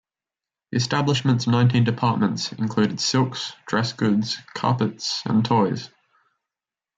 The establishment's nineteen departments included silks, dress goods, carpets, and toys.